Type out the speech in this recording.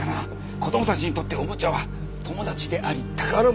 子供たちにとっておもちゃは友達であり宝物なんだ。